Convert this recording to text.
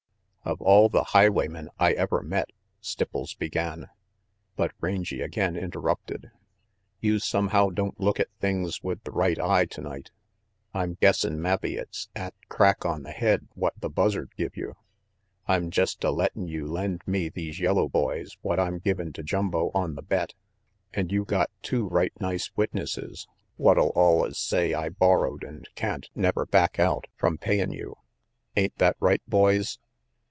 "Of all the highwaymen I ever met " Stipples began, but Rangy again interrupted. "You somehow don't look at things with the right eye tonight. I'm guessin' mabbe it's 'at crack on the head what the Buzzard give you. I'm jest a lettin' you lend me these yellow boys what I'm givin' to Jumbo on the bet, an' you got two right nice witnesses what'll allus say I borrowed an' can't never back out from payin' you. Ain't that right, boys?"